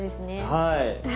はい。